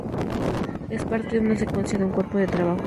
Es parte de una secuencia de un cuerpo de trabajo.